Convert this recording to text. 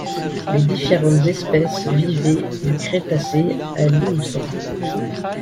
Les différentes espèces vivaient du Crétacé à l'Éocène.